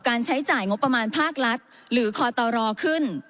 ใช้จ่ายงบประมาณภาครัฐหรือคอตรขึ้น